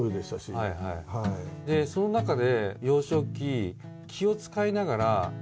でその中で。